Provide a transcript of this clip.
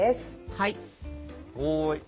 はい。